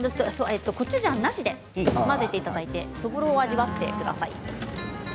コチュジャンなしで混ぜていただいてそぼろを味わってください。